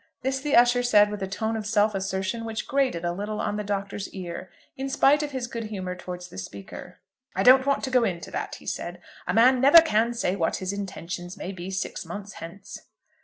This the usher said with a tone of self assertion which grated a little on the Doctor's ear, in spite of his good humour towards the speaker. "I don't want to go into that," he said. "A man never can say what his intentions may be six months hence."